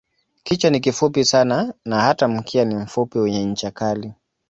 Kichwa ni kifupi sana na hata mkia ni mfupi wenye ncha kali.